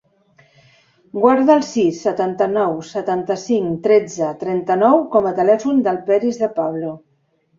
Guarda el sis, setanta-nou, setanta-cinc, tretze, trenta-nou com a telèfon del Peris De Pablo.